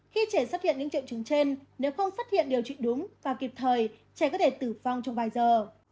khi trẻ xuất hiện những triệu chứng trên nếu không phát hiện điều trị đúng và kịp thời trẻ có thể tử vong trong vài giờ